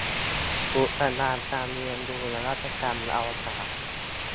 อุทยานการเรียนรู้นวัตกรรมอวกาศ